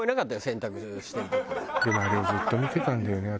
でもあれをずっと見てたんだよね私。